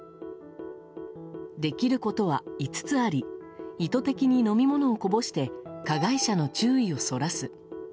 できることは５つあり意図的に飲み物をこぼして加害者の注意をそらす。